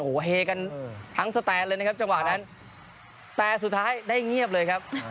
โหเฮกันทั้งสเตนส์เลยนะครับแต่สุดท้ายได้เงียบเลยครับ